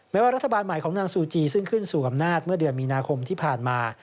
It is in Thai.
ว่ารัฐบาลใหม่ของนางซูจีซึ่งขึ้นสู่อำนาจเมื่อเดือนมีนาคมที่ผ่านมา